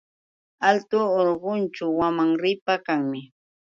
Altu urqućhu wamanripa kanmi.